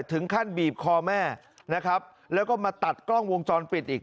ถึงขั้นบีบคอแม่แล้วก็มาตัดกล้องวงจรปิดอีก